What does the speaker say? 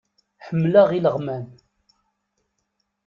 Ḥemmleɣ ileɣman.